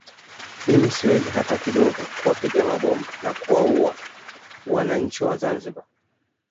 Mimi siwezi hata kidogo kuwapiga mabomu na kuwaua wananchi wa Zanzibar